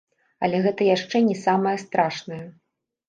Але гэта яшчэ не самае страшнае.